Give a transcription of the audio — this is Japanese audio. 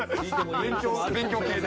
勉強系で。